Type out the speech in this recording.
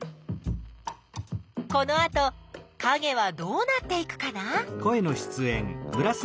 このあとかげはどうなっていくかな？